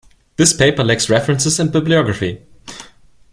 This paper lacks references and bibliography.